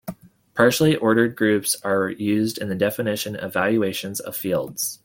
Partially ordered groups are used in the definition of valuations of fields.